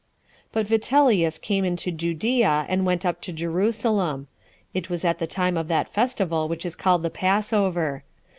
3. But Vitellius came into Judea, and went up to Jerusalem; it was at the time of that festival which is called the Passover.